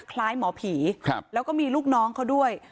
คล้ายหมอผีแล้วก็มีลูกน้องเขาด้วย